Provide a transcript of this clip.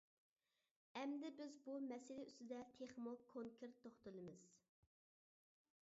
ئەمدى بىز بۇ مەسىلە ئۈستىدە تېخىمۇ كونكرېت توختىلىمىز.